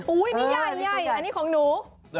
นี่ใหญ่อันนี้ของหนู